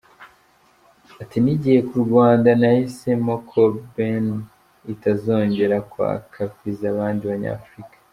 Ati “Nigiye ku Rwanda, nahisemo ko Benin itazongera kwaka visa abandi Banyafurika.